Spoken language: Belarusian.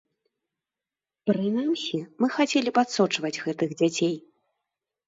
Прынамсі, мы хацелі б адсочваць гэтых дзяцей.